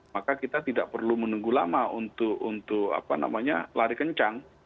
maka kita tidak perlu menunggu lama untuk lari kencang